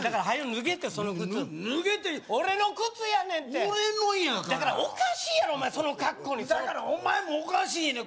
脱げってその靴脱げって俺の靴やねんて俺のんやからだからおかしいやろその格好にだからお前もおかしいねん